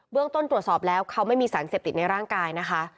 ต้นตรวจสอบแล้วเขาไม่มีสารเสพติดในร่างกายนะคะ